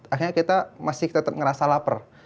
akhirnya kita masih tetap ngerasa lapar